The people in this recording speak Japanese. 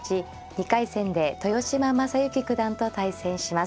２回戦で豊島将之九段と対戦します。